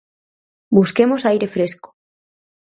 Busquemos aire fresco.